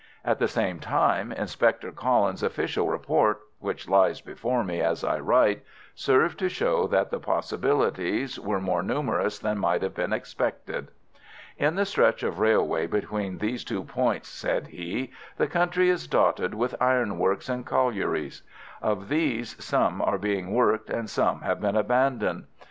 At the same time, Inspector Collins's official report (which lies before me as I write) served to show that the possibilities were more numerous than might have been expected. "In the stretch of railway between these two points," said he, "the country is dotted with ironworks and collieries. Of these, some are being worked and some have been abandoned.